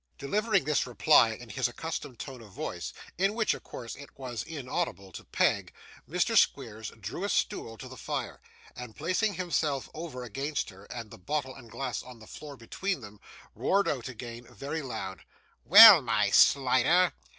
Delivering this reply in his accustomed tone of voice, in which of course it was inaudible to Peg, Mr. Squeers drew a stool to the fire, and placing himself over against her, and the bottle and glass on the floor between them, roared out again, very loud, 'Well, my Slider!